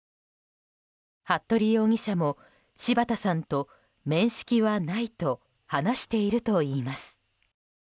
服部容疑者も柴田さんと面識はないと話しているといいます。